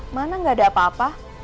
mana gak ada apa apa